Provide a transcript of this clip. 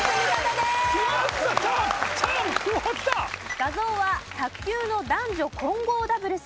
画像は卓球の男女混合ダブルス。